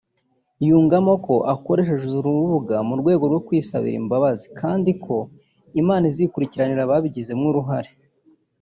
yungamo ko akoresheje uru rubuga mu rwego rwo gusaba imbabazi kandi ko Imana izikurikiranira ababigizemo uruhare